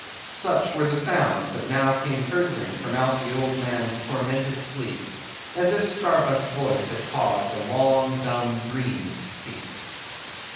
Such were the sounds that now came hurtling from out the old man's tormented sleep, as if Starbuck's voice had caused the long dumb dream to speak.